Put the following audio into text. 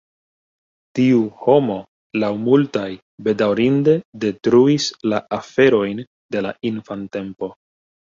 Tiu homo laŭ multaj bedaŭrinde detruis la aferojn de la infantempo.